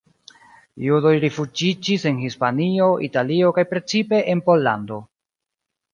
Judoj rifuĝiĝis en Hispanio, Italio kaj precipe en Pollando.